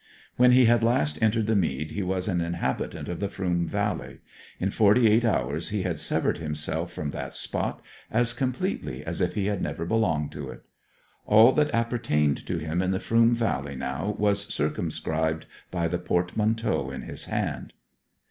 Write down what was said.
When he had last entered the mead he was an inhabitant of the Froom valley; in forty eight hours he had severed himself from that spot as completely as if he had never belonged to it. All that appertained to him in the Froom valley now was circumscribed by the portmanteau in his hand.